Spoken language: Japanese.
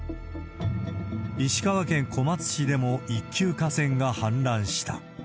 石川県小松市でも、一級河川が氾濫した。